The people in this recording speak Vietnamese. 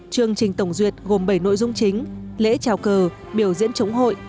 chương trình tổng duyệt gồm bảy nội dung chính lễ trào cờ biểu diễn chống hội